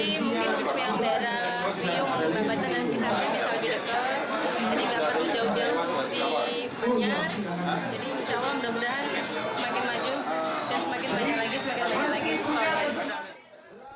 jadi insya allah mudah mudahan semakin maju dan semakin banyak lagi semakin banyak lagi